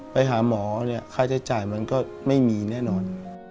ไปหาหมอเนี่ยค่าใช้จ่ายมันก็ไม่มีแน่นอน